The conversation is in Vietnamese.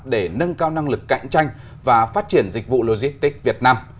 để nâng cao năng lực cạnh tranh và phát triển dịch vụ logistics việt nam